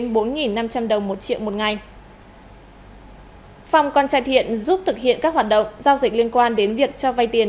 phong con trai thiện giúp thực hiện các hoạt động giao dịch liên quan đến việc cho vai tiền